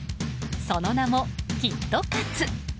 その名も、キットカツ！